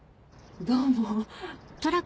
どうも。